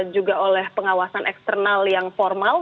juga oleh pengawasan eksternal yang formal